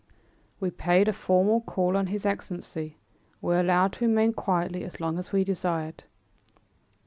We paid a formal call on his Excellency and were allowed to remain quietly as long as we desired.